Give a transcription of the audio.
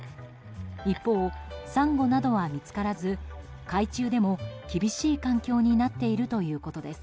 一方、サンゴなどは見つからず海中でも厳しい環境になっているということです。